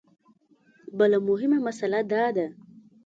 بله مهمه مسله دا ده.